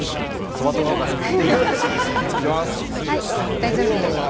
トマト農家です。